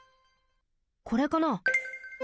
これかな？